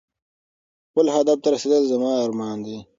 خپل هدف ته رسېدل زما ارمان دی.